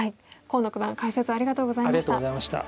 河野九段解説ありがとうございました。